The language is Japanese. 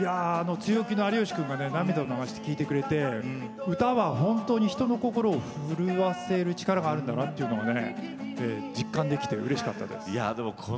強気の有吉君が涙を流して聴いてくれて歌は本当に人の心を震わせる力があるんだなというのを実感できて、うれしかったです。